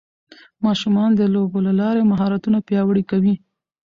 ماشومان د لوبو له لارې مهارتونه پیاوړي کوي